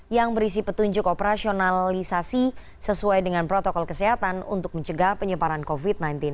yang berisi petunjuk operasionalisasi sesuai dengan protokol kesehatan untuk mencegah penyebaran covid sembilan belas